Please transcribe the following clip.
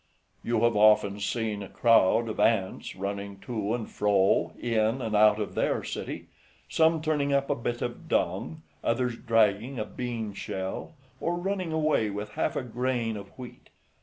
MENIPPUS. You have often seen a crowd of ants running to and fro in and out of their city, some turning up a bit of dung, others dragging a bean shell, or running away with half a grain of wheat.